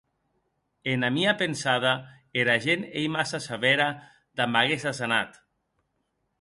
Ena mia pensada, era gent ei massa sevèra damb aguest asenat.